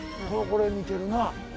これ似てるな。